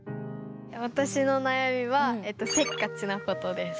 わたしの悩みはせっかちなことです。